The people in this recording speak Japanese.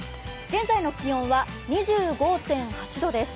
現在の気温は２５．８度です。